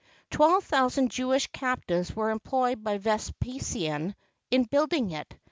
Twelve thousand Jewish captives were employed by Vespasian in building it.